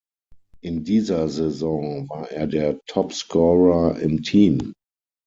In dieser Saison war er der Topscorer im Team.